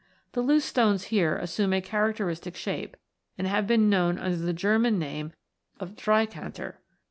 The loose stones here assume a characteristic shape, and have been known under the German name of Dreikanter.